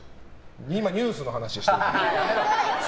今ニュースの話してる。